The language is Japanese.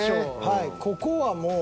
はいここはもう。